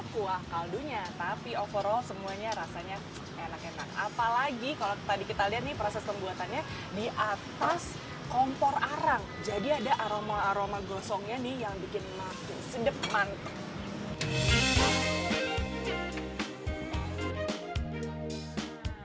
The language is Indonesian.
kuah kaldunya tapi overall semuanya rasanya enak enak apalagi kalau tadi kita lihat nih proses pembuatannya di atas kompor arang jadi ada aroma aroma gosongnya nih yang bikin makin sedep man